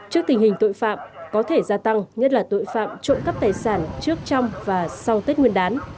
trước tình hình tội phạm có thể gia tăng nhất là tội phạm trộm cắp tài sản trước trong và sau tết nguyên đán